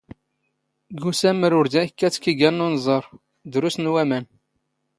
ⴳ ⵓⵙⴰⵎⵎⵔ ⵓⵔ ⴷⴰ ⵉⴽⴽⴰⵜ ⴽⵉⴳⴰⵏ ⵏ ⵓⵏⵥⴰⵔ, ⴷⵔⵓⵙⵏ ⵡⴰⵎⴰⵏ.